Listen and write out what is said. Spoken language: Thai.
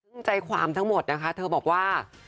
ซึ่งใจความทั้งหมดนะคะเธอบอกว่า